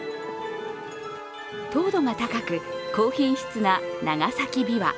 糖度が高く、高品質な長崎びわ。